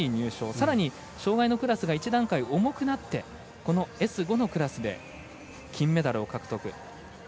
さらに、障がいのクラスが一段階、重くなってこのＳ５のクラスで金メダルを獲得。